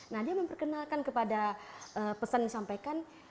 nah dia memperkenalkan kepada pesan yang disampaikan